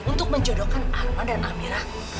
untuk menjodohkan arman dan amira